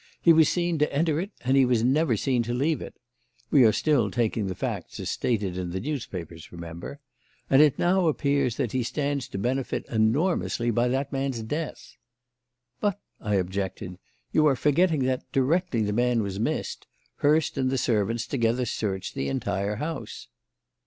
He was seen to enter it and he was never seen to leave it we are still taking the facts as stated in the newspapers, remember and it now appears that he stands to benefit enormously by that man's death." "But," I objected, "you are forgetting that, directly the man was missed, Hurst and the servants together searched the entire house."